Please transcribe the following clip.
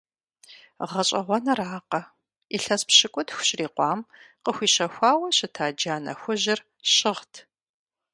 ГъэщӀэгъуэныракъэ, илъэс пщыкӀутху щрикъуам къыхуищэхуауэ щыта джанэ хужьыр щыгът.